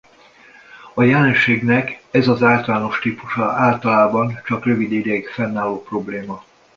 A jelenségnek ez az általános típusa általában csak rövid ideig fennálló probléma.